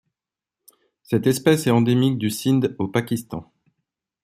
Cette espèce est endémique du Sind au Pakistan.